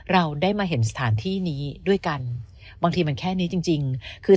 เราได้มาเห็นสถานที่นี้ด้วยกันบางทีมันแค่นี้จริงคือ